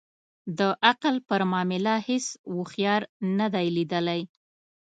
د عقل پر معامله هیڅ اوښیار نه دی لېدلی.